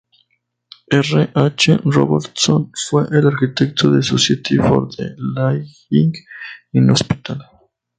R. H. Robertson fue el arquitecto del Society for the Lying-In Hospital.